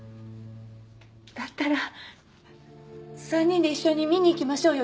だったら３人で一緒に見に行きましょうよ